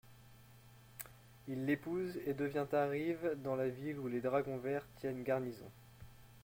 Il l'épouse et devient arrive dans la ville où les dragons verts tiennent garnison.